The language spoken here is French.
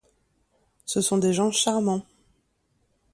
Ce sont des gens charmants.